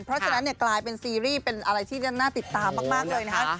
เพราะฉะนั้นเนี่ยกลายเป็นซีรีส์เป็นอะไรที่น่าติดตามมากเลยนะฮะ